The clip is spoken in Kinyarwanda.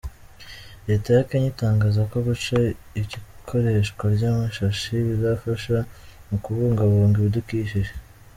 Leta ya Kenya itangaza ko guca ikoreshwa ry'amashashi bizafasha mu kubungabunga ibidukikije.